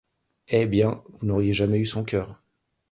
Eh ! bien, vous n’auriez jamais eu son cœur…